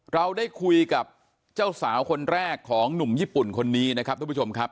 เราได้คุยกับเจ้าสาวคนแรกของหนุ่มญี่ปุ่นคนนี้นะครับทุกผู้ชมครับ